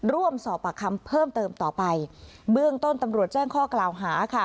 ร่วมสอบปากคำเพิ่มเติมต่อไปเบื้องต้นตำรวจแจ้งข้อกล่าวหาค่ะ